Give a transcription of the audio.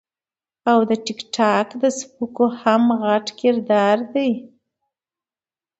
او د ټک ټاک د سپکو هم غټ کردار دے -